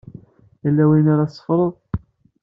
Yella wayen ara tetteffreḍ?